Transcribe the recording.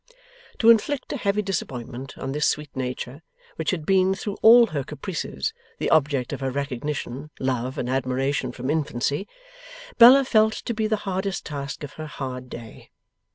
To inflict a heavy disappointment on this sweet nature, which had been, through all her caprices, the object of her recognition, love, and admiration from infancy, Bella felt to be the hardest task of her hard day.